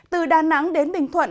từ đà nẵng đến bình thuận